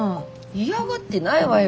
イヤがってないわよ。